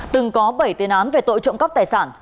từng có bảy tiền án về tội trộm cắp tài sản